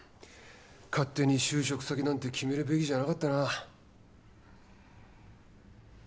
勝手に就職先なんて決めるべきじゃなかったな。